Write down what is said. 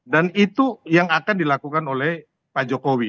dan itu yang akan dilakukan oleh pak jokowi